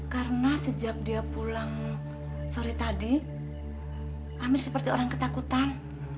karena sejak dia pulang sore tadi amir seperti orang ketakutan